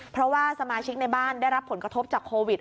เพราะว่าสมาชิกในบ้านได้รับผลกระทบจากโควิด